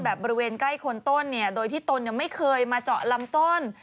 บริเวณใกล้คนต้นเนี่ยโดยที่ตนไม่เคยมาเจาะลำต้น